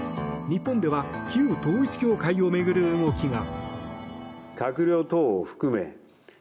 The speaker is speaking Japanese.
日本では旧統一教会を巡る動きが。